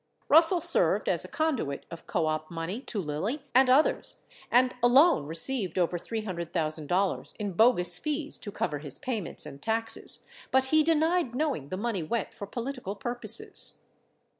Russell served as a conduit of co op money to Lilly and others and alone received over $300,000 in bogus fees to cover his payments and taxes, but he denied knowing the money went for political purposes.